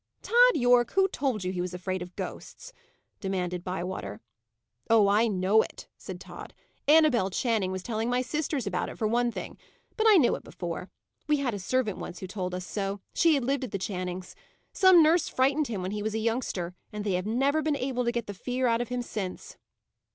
"Tod Yorke, who told you he was afraid of ghosts?" demanded Bywater. "Oh, I know it," said Tod. "Annabel Channing was telling my sisters about it, for one thing: but I knew it before. We had a servant once who told us so, she had lived at the Channings'. Some nurse frightened him when he was a youngster, and they have never been able to get the fear out of him since."